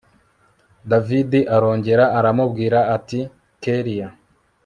david arongera aramubwira ati kellia